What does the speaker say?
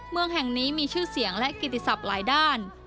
เมืองแห่งนี้มีชื่อเสียงและกิติศัพท์หลายด้าน